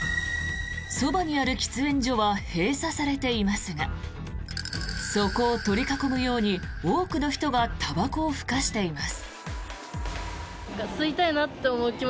そばにある喫煙所は閉鎖されていますがそこを取り囲むように多くの人がたばこをふかしています。